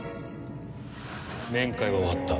面会は終わった。